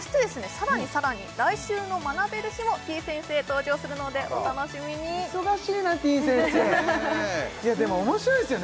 さらにさらに来週の学べる日もてぃ先生登場するのでお楽しみに忙しいなてぃ先生でも面白いですよね